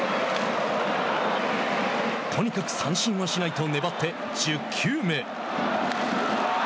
とにかく三振はしないと粘って１０球目。